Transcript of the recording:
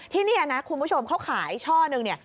ที่นี่นะคุณผู้ชมเขาขายช่อนึงเนี่ย